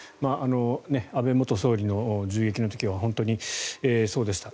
安倍元総理の銃撃の時は本当にそうでした。